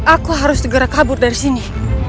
aku harus segera kabur dari sini